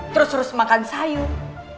terus terus makan sayur